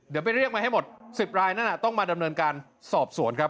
เดี๋ยวไปเรียกมาให้หมด๑๐รายนั่นต้องมาดำเนินการสอบสวนครับ